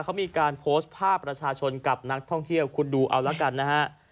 เขามีการโพสต์ภาพประชาชนกับนักท่องเที่ยวคุณดูเอาละกันนะฮะ